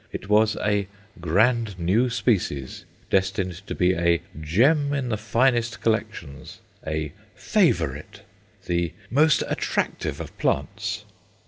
It was a "grand new species," destined to be a "gem in the finest collections," a "favourite," the "most attractive of plants."